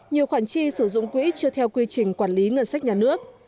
nhiều khoản chi sử dụng quỹ chưa theo quy trình quản lý ngân sách nhà nước